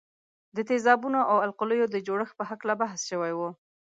د تیزابونو او القلیو د جوړښت په هکله بحث شوی وو.